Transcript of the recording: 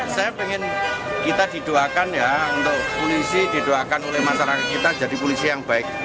saya ingin kita didoakan ya untuk polisi didoakan oleh masyarakat kita jadi polisi yang baik